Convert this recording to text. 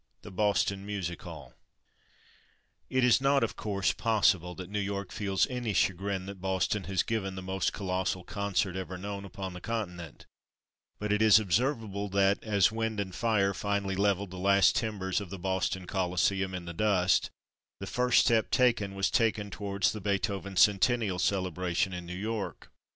THE BOSTON MUSIC HALL It is not, of course, possible that New York feels any chagrin that Boston has given the most colossal concert ever known upon the continent; but it is observable that, as wind and fire finally levelled the last timbers of the Boston Coliseum in the dust, the first step taken was taken towards the Beethoven Centennial Celebration, in New York.